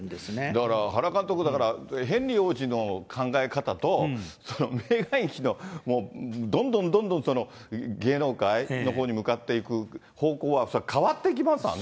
だから原監督、だからヘンリー王子の考え方とメーガン妃のどんどんどんどん芸能界のほうに向かっていく方向は変わってきますよね。